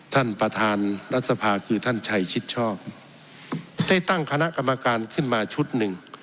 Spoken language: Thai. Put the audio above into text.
ท่านประธานรัฐสภาคือท่านชัยชิดชอบได้ตั้งคณะกรรมการขึ้นมาชุดหนึ่ง